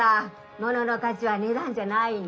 物の価値は値段じゃないの」。